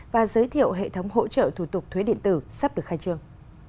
và giới thiệu hệ thống hỗ trợ thủ tục thuế điện tử sắp được khai trương